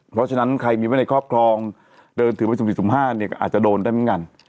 เพราะฉะนั้นใครมีว่าในครอบครองเดินถึงปีสมรรถ๑๕๕อาจจะโดนได้เหมือนกัน